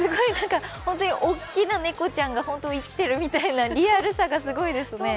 本当に大きな猫ちゃんが本当に生きてるみたいでリアルさがすごいですね。